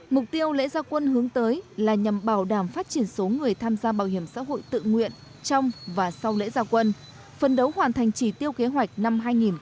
mục tiêu lễ gia quân hướng tới là nhằm bảo đảm phát triển số người tham gia bảo hiểm xã hội tự nguyện trong và sau lễ gia quân phân đấu hoàn thành chỉ tiêu kế hoạch năm hai nghìn hai mươi